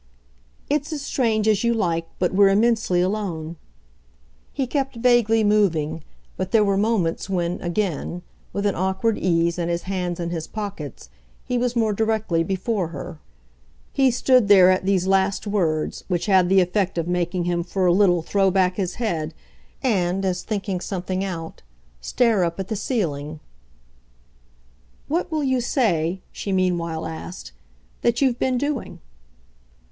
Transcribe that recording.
"It's as strange as you like, but we're immensely alone." He kept vaguely moving, but there were moments when, again, with an awkward ease and his hands in his pockets, he was more directly before her. He stood there at these last words, which had the effect of making him for a little throw back his head and, as thinking something out, stare up at the ceiling. "What will you say," she meanwhile asked, "that you've been doing?"